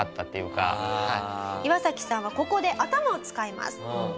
イワサキさんはここで頭を使います。